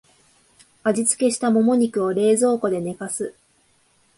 味付けしたモモ肉を冷蔵庫で寝かす